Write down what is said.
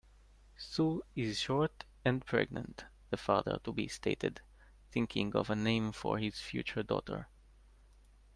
"Sue is short and pregnant", the father-to-be stated, thinking of a name for his future daughter.